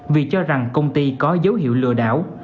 vì cho rằng công ty có dấu hiệu lừa đảo